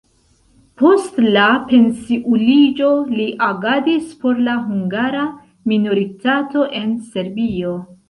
Post la pensiuliĝo li agadis por la hungara minoritato en Serbio.